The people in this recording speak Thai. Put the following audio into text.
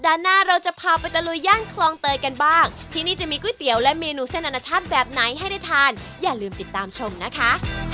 หน้าเราจะพาไปตะลุยย่านคลองเตยกันบ้างที่นี่จะมีก๋วยเตี๋ยวและเมนูเส้นอนาชาติแบบไหนให้ได้ทานอย่าลืมติดตามชมนะคะ